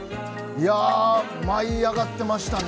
いやあ舞い上がってましたね。